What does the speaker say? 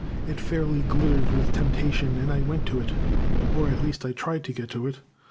It fairly glittered with temptation, and I went to it; or at least I tried to go to it.